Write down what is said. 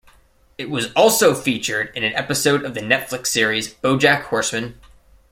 It was also featured in an episode of the Netflix series "BoJack Horseman".